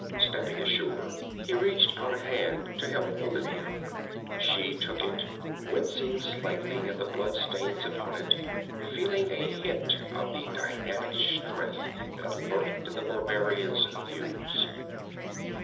Stepping ashore, he reached out a hand to help Olivia. She took it, wincing slightly at the bloodstains upon it, feeling a hint of the dynamic strength that lurked in the barbarian's thews.